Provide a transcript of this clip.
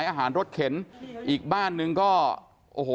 จะไม่เคลียร์กันได้ง่ายนะครับ